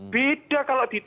beda kalau di tempat